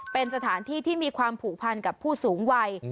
เป็นสถานที่ที่มีความผูกพันกับผู้สูงวัย